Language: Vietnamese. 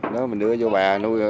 nó mình đưa vô bè nuôi